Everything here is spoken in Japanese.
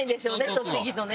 栃木とね。